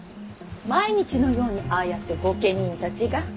毎日のようにああやって御家人たちが。